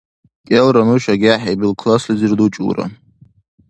КӀелра нуша гехӀъибил класслизир дучӀулра.